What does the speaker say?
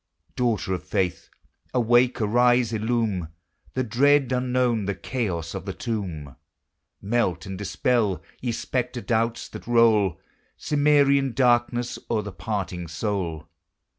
••••• Daughter of Faith, awake, arise, illume The dread unknown, the chaos of the tomb; Melt, and dispel, ye spectre doubts, that roll Cimmerian darkness o'er the parting soul!